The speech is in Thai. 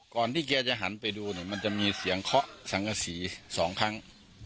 ที่แกจะหันไปดูเนี่ยมันจะมีเสียงเคาะสังกษี๒ครั้ง